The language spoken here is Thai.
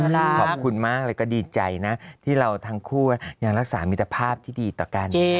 ขอบคุณมากแล้วก็ดีใจนะที่เราทั้งคู่ยังรักษามิตรภาพที่ดีต่อกัน